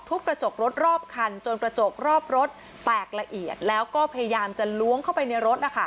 กระจกรถรอบคันจนกระจกรอบรถแตกละเอียดแล้วก็พยายามจะล้วงเข้าไปในรถ